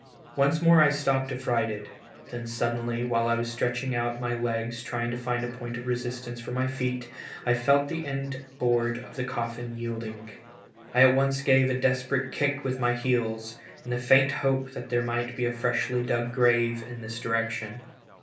Once more I stopped affrighted; then suddenly, while I was stretching out my legs trying to find a point of resistance for my feet, I felt the end board of the coffin yielding. I at once gave a desperate kick with my heels, in the faint hope that there might be a freshly dug grave in this direction.